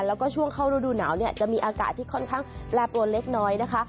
แล้วก็ช่วงเข้ารูดูหนาวเนี่ยจะมีอากาศที่ค่อนข้างแปรปรวนเล็กน้อยนะคะ